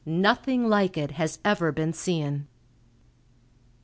Nothing like it has ever been seen."